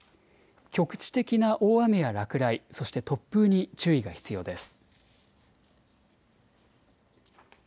局地的な大雨や落雷、そして突風に注意が必要です。